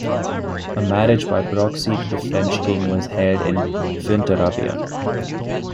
A marriage by proxy to the French king was held in Fuenterrabia.